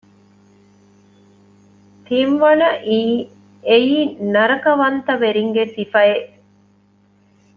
ތިންވަނައީ އެއީ ނަރަކަވަންތަވެރިންގެ ސިފައެއް